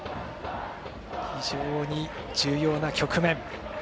非常に重要な局面。